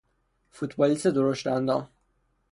فوتبالیست درشت اندام